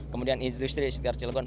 kemudian industri di sekitar cilegon